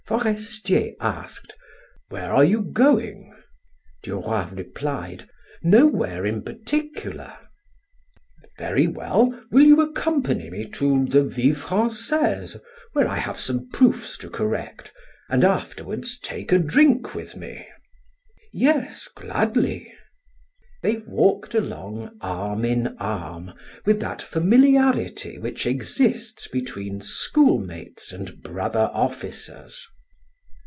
Forestier asked: "Where are you going?" Duroy replied: "Nowhere in particular." "Very well, will you accompany me to the 'Vie Francaise' where I have some proofs to correct; and afterward take a drink with me?" "Yes, gladly." They walked along arm in arm with that familiarity which exists between schoolmates and brother officers.